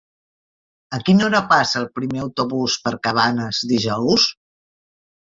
A quina hora passa el primer autobús per Cabanes dijous?